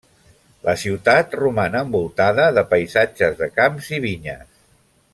La ciutat roman envoltada de paisatges de camps i vinyes.